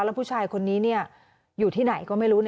แล้วผู้ชายคนนี้อยู่ที่ไหนก็ไม่รู้นะ